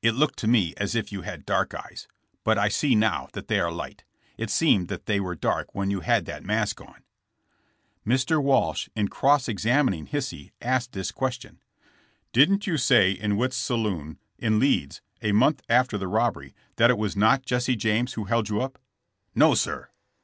It looked to me as if you had dark eyes, but I see now that they are light. It seemed that they were dark when you had that mask on.'* Mr. Walsh, in cross examining Hisey, asked this question : "Didn't you say in Witte's saloon, in Leeds, a month after this robbery, that it was not Jesse James who held you up ?" "No, sir."